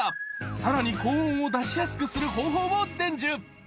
更に高音を出しやすくする方法を伝授！